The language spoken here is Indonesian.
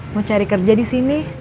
mau cari kerja disini